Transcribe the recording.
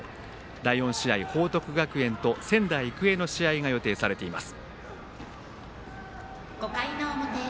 第４試合、報徳学園と仙台育英の試合が予定されています。